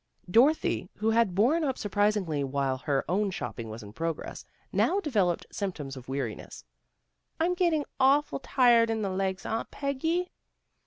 Dorothy who had borne up surprisingly while her own shopping was in progress, now devel oped symptoms of weariness. " I'm getting awful tired in the legs, Aunt Peggy."